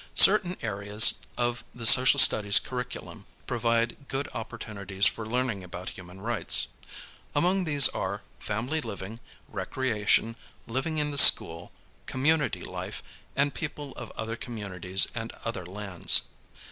Certain areas of the social studies curriculum provide good op|)ortunities for learning about human rights. Among these are: family living, recrea tion, living in the school, community life, and people of other communities and other lands.